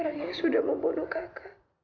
ranya sudah membunuh kakak